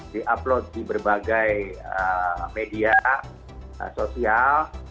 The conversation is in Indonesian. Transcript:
di upload di berbagai media sosial